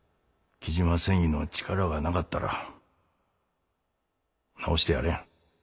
雉真繊維の力がなかったら治してやれん。